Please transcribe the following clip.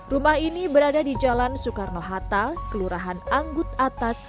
rumah ini berada di jalan soekarno hatta kelurahan anggut atas